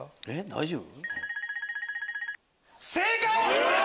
大丈夫？